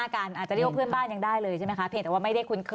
ไม่ถึงสิบเมตรอะ